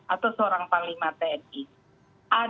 atau seorang panglima tni